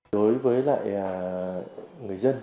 đối với người dân